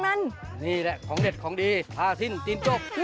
อันนี้ไม่ต้องค่ะไม่ต้องค่ะ